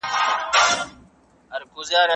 په قلم خط لیکل د ژوند د ښکلاګانو انځورول دي.